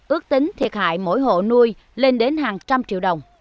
ước tính thiệt hại mỗi hộ nuôi lên đến hàng trăm triệu đồng